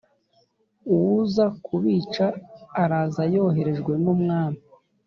uwuza kubica araza yoherejwe numwami